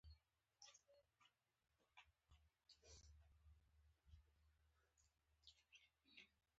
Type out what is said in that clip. همدارنګه د موبوټو مستبدانه سیاستونو هم اغېز درلود.